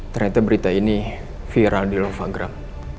ternyata berita ini viral di lovagram